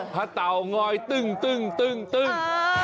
ฮะเต่าง้อยตึ๊ง